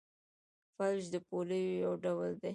فلج د پولیو یو ډول دی.